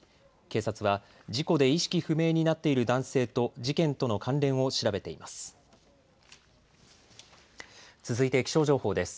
警察は事故で意識不明になっている男性と事件との関連を調べています。